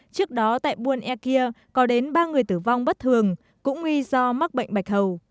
trước đó tại buôn e kia có đến ba người tử vong bất thường cũng nguy do mắc bệnh bạch hầu